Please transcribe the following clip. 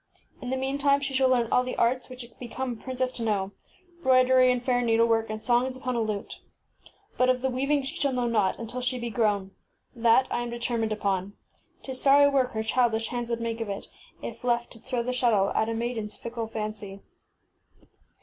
In the mean time she shall learn all the arts which become a princess to know ŌĆö broi dery and fair needlework, and songs upon a lute. But of the weaving she shall know naught until she be grown. That I am determined upon. ŌĆÖTis sorry work her childish hands would make of it, if left to throw the shuttle at a maidenŌĆÖs fickle fancy.